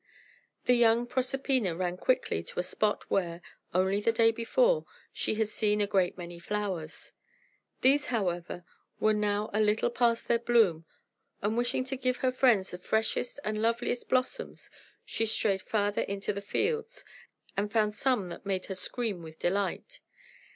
The young Proserpina ran quickly to a spot where, only the day before, she had seen a great many flowers. These, however, were now a little past their bloom; and wishing to give her friends the freshest and loveliest blossoms, she strayed farther into the fields, and found some that made her scream with delight.